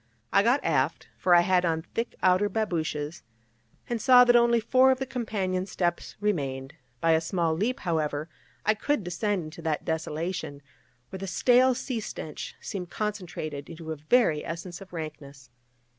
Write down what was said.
I got aft (for I had on thick outer babooshes), and saw that only four of the companion steps remained; by a small leap, however, I could descend into that desolation, where the stale sea stench seemed concentrated into a very essence of rankness.